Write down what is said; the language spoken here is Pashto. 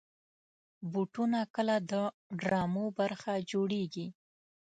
بوټونه کله د ډرامو برخه جوړېږي.